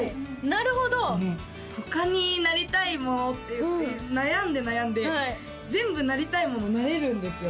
なるほど他になりたいものって悩んで悩んで全部なりたいものなれるんですよ